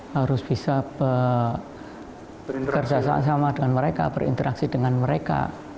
harus bisa bekerja sama dengan mereka berinteraksi dengan mereka